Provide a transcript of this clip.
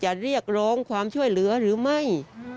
เรียกร้องความช่วยเหลือหรือไม่